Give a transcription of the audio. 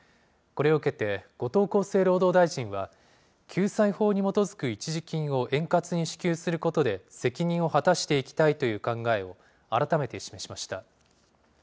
これを受けて、後藤厚生労働大臣は、救済法に基づく一時金を円滑に支給することで、責任を果たしていきたいという考えを改めて示しました。